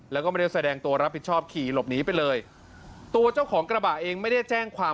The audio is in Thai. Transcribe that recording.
แล้วก็ไม่ได้แสดงตัวรับผิดชอบขี่หลบหนีไปเลยตัวเจ้าของกระบะเองไม่ได้แจ้งความ